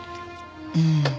うん。